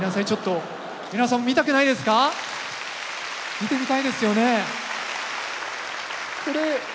見てみたいですよね？